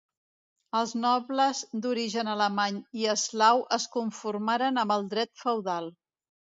Els nobles d'origen alemany i eslau es conformaren amb el dret feudal.